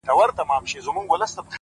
هوښیار انسان له تجربو خزانه جوړوي’